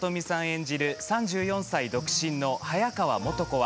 演じる３４歳、独身の早川基子。